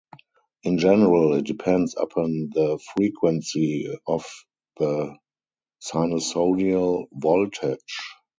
In general, it depends upon the frequency of the sinusoidal voltage.